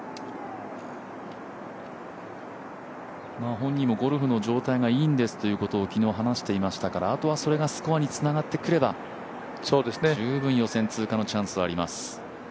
本人もゴルフの状態がいいんですということを昨日話していましたから、あとはそれがスコアにつながってくれば十分予選通過のチャンスはあります。